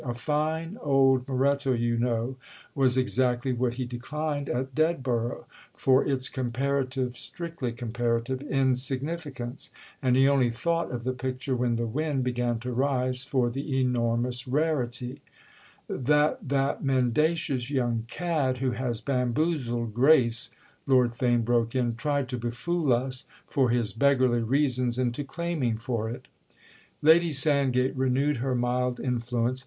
"A fine old Moretto, you know, was exactly what he declined at Dedborough—for its comparative, strictly comparative, insignificance; and he only thought of the picture when the wind began to rise for the enormous rarity—" "That that mendacious young cad who has bamboozled Grace," Lord Theign broke in, "tried to befool us, for his beggarly reasons, into claiming for it?" Lady Sandgate renewed her mild influence.